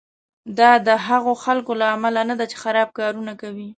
دا د هغو خلکو له امله نه ده چې خراب کارونه کوي.